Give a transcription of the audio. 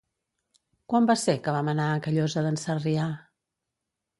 Quan va ser que vam anar a Callosa d'en Sarrià?